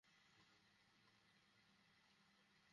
উনাকে আমি নিয়ে যাচ্ছি।